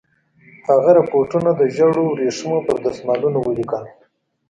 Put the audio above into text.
هغه رپوټونه د ژړو ورېښمو پر دسمالونو ولیکل.